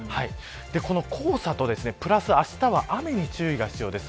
この黄砂とプラスあしたは雨に注意が必要です。